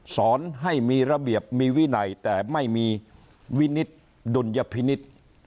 สอนให้มีระเบียบมีวินัยแต่ไม่มีวินิตดุลยพินิษฐ์